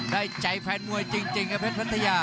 ได้ใจแฟนมวยจริงกับเพชรเพชรภัยา